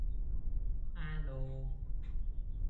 Rohana brought two checks and backhoes for the constructions.